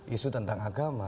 isu tentang agama